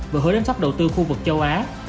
và hứa đến top đầu tư khu vực châu á